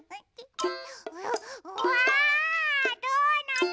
うわドーナツ！